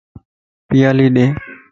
پيالي ڏي